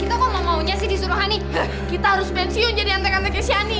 kita kok mau maunya sih disuruh hanik kita harus pensiun jadi antek anteknya shani